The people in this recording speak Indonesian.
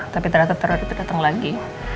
tapi ternyata terlalu rapit datang lagi